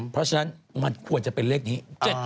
เพราะฉะนั้นมันควรจะเป็นเลขนี้๗๗